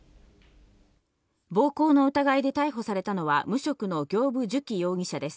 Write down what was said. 暴行の疑いで逮捕されたのは、無職の行歩寿希容疑者です。